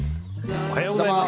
おはようございます。